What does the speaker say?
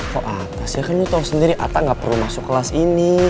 kok ata sih kan lo tau sendiri ata gak perlu masuk kelas ini